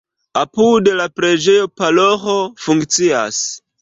Apud la preĝejo paroĥo funkcias.